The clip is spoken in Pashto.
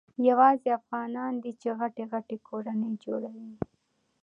یوازي افغانان دي چي غټي غټي کورنۍ جوړوي.